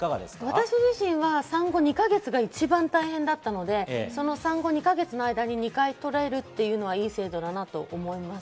私自身、産後２か月が一番大変だったので、２か月の間に２回取れるのは良い制度だと思います。